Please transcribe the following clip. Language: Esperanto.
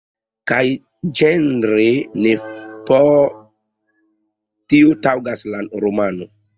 Kaj ĝenre ne por tio taŭgas la romano.